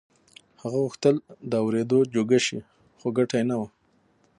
هغه غوښتل د اورېدو جوګه شي خو ګټه يې نه وه.